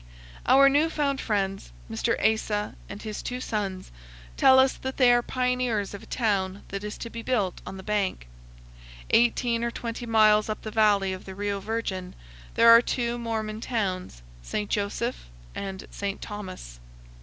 Our new found friends, Mr. Asa and his two sons, tell us that they are pioneers of a town that is to be built on the bank. Eighteen or twenty miles up the valley of the Rio Virgen there are two Mormon towns, St. Joseph and St. Thomas.